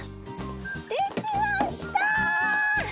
できました！